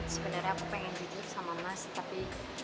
sebenarnya aku pengen jujur sama mas tapi